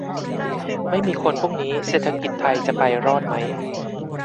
ไม่มีคนพวกนี้ เศรษฐกิจไทยจะไปรอดไหม ?